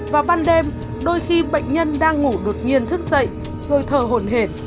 và ban đêm đôi khi bệnh nhân đang ngủ đột nhiên thức dậy rồi thở hồn hền